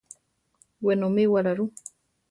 Wenomíwara rú?